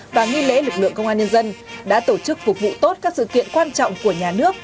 và nghi lễ lực lượng công an nhân dân đã tổ chức phục vụ tốt các sự kiện quan trọng của nhà nước